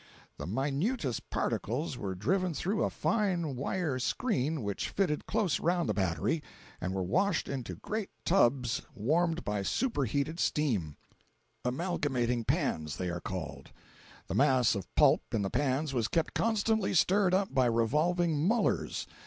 The minutest particles were driven through a fine wire screen which fitted close around the battery, and were washed into great tubs warmed by super heated steam—amalgamating pans, they are called. The mass of pulp in the pans was kept constantly stirred up by revolving "mullers."